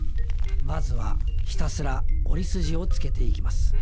まずはひたすら折り筋をつけていきます。